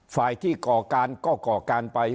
ฝ่ายที่ก่อการก็ก่อการไป